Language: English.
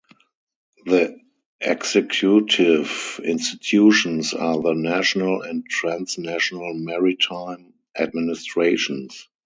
The executive institutions are the national and transnational maritime administrations.